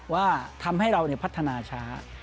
ว่าทำให้เราพัฒนาช้า